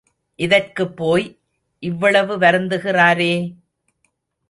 இதற்குப் போய் இவ்வளவு வருந்துகிறாரே!